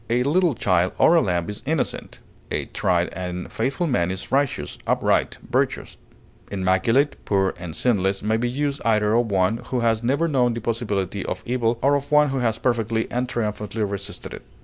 A little child or a lamb is innocent; a tried and faithful man is righteous, upright, virtuous. Immaculate, pure, and sinless may be used either of one who has never known the possibility of evil or of one who has perfectly and triumphantly resisted it.